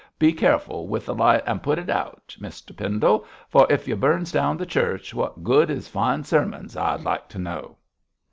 Be careful with the light an' put it out, Muster Pendle, for if you burns down the church, what good is fine sermons, I'd like to know?'